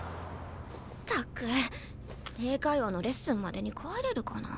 ったく英会話のレッスンまでに帰れるかな。